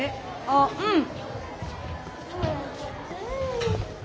あっうん！